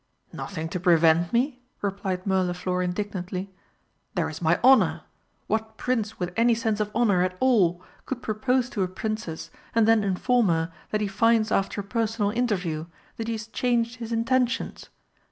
"Nothing to prevent me!" replied Mirliflor indignantly. "There is my honour! What Prince with any sense of honour at all could propose to a Princess and then inform her that he finds, after a personal interview, that he has changed his intentions?